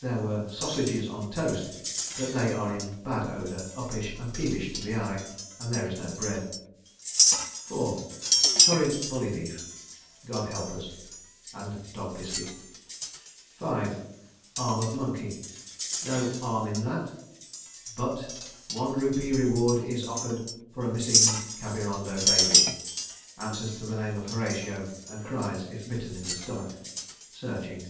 There were Sausages on Toast, but they are in bad odour, uppish, and peevish to the eye, and there is no bread. 4. Curried Bully beef. God help us. And Dog biscuit. 5. Arm of monkey. No 'arm in that? But—One rupee reward is offered for a missing Kavirondo baby. Answers to the name of Horatio, and cries if bitten in the stomach. ... Searching.